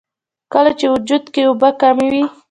کله چې وجود کښې اوبۀ کمې وي